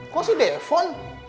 kok si depon